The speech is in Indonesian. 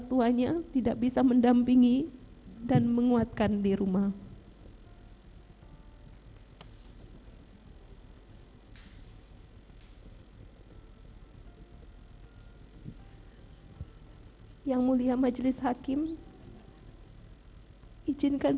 tuanya tidak bisa mendampingi dan menguatkan di rumah hai yang mulia majelis hakim hai izinkan